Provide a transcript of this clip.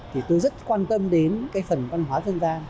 thì tôi rất quan tâm đến cái phần văn hóa dân gian